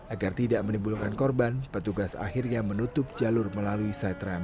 agar tidak menimbulkan korban petugas akhirnya menutup jalur melalui siderum